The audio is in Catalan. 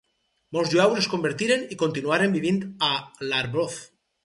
Molts jueus es convertiren i continuaren vivint a l'Arboç.